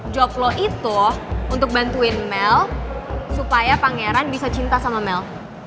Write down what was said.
joblo itu untuk bantuin mel supaya pangeran bisa cinta sama mel